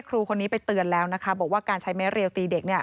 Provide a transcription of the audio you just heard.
ครูคนนี้ไปเตือนแล้วนะคะบอกว่าการใช้ไม้เรียวตีเด็กเนี่ย